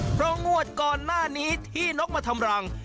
เพราะงวดก่อนหน้านี้ที่นกมาทำรัง